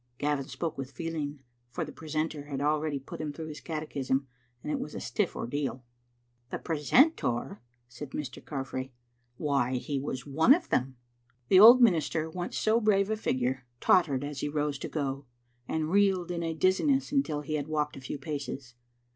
" Gavin spoke with feeling, for the precentor had already put him through his catechism, and it was a stiff ordeal. "The precentor!" said Mr. Carfrae. "Why, he was one of them." The old minister, once so brave a figure, tottered as he rose to go, and reeled in a dizziness until he had walked a few paces.